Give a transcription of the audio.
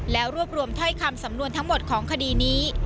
แล้วรวบรวมถ้อยคำสำนวนทั้งหมดของคดีนี้